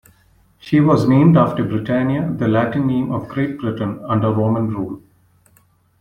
She was named after Britannia, the Latin name of Great Britain under Roman rule.